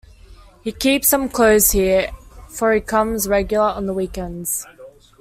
He keeps some clothes here, for he comes regular on the week-ends.